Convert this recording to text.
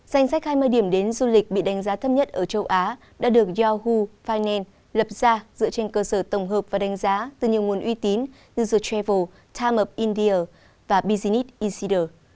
danh sách hai mươi điểm đến du lịch bị đánh giá thấp nhất ở châu á đã được yoho finan lập ra dựa trên cơ sở tổng hợp và đánh giá từ nhiều nguồn uy tín như the travel time india và business ecder